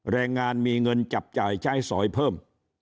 แรงงานมีเงินจับจ่ายใช้สอยเพิ่ม